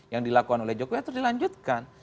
yang dilakukan oleh jokowi harus dilanjutkan